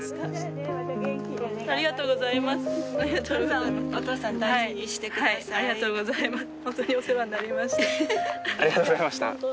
ありがとうございます。